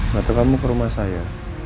ngatu kamu ke rumah saya